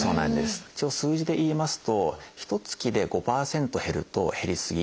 一応数字で言いますとひとつきで５％減ると減り過ぎ。